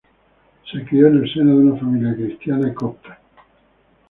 Se crio en el seno de una familia cristiana copta.